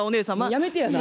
やめてやな。